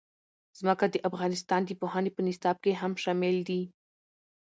ځمکه د افغانستان د پوهنې په نصاب کې هم شامل دي.